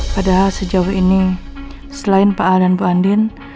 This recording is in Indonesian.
padahal sejauh ini selain pak a dan bu andin